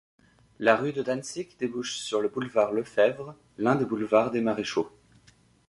La rue de Dantzig débouche sur le boulevard Lefebvre, l’un des boulevards des Maréchaux.